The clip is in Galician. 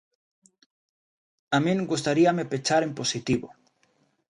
A min gustaríame pechar en positivo.